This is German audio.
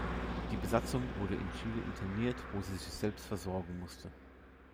Die Besatzung wurde in Chile interniert, wo sie sich selbst versorgen musste.